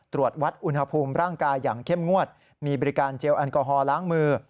ตรวจวัดอุณหภูมิร่างกายอย่างเข้มงวดมีบริการเจลแอลกอฮอลล้างมือ